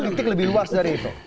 titik lebih luas dari itu